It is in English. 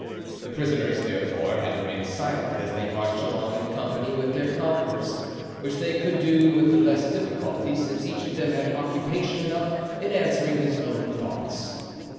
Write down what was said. The prisoners, therefore, had remained silent as they marched along in company with their conquerors—which they could do with the less difficulty since each of them had occupation enough in answering his own thoughts.